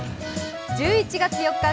１１月４日